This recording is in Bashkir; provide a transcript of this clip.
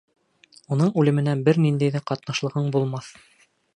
Уның үлеменә бер ниндәй ҙә ҡатнашлығың булмаҫ!